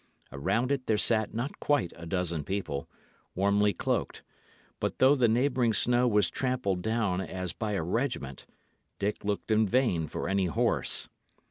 Around it there sat not quite a dozen people, warmly cloaked; but though the neighbouring snow was trampled down as by a regiment, Dick looked in vain for any horse.